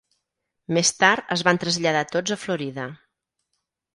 Més tard es van traslladar tots a Florida.